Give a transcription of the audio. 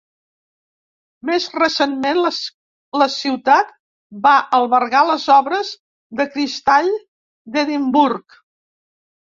Més recentment, la ciutat va albergar les obres de Cristall d'Edimburg.